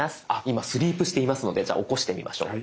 今スリープしていますのでじゃあ起こしてみましょう。